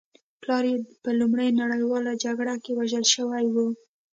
پلار یې په لومړۍ نړۍواله جګړه کې وژل شوی و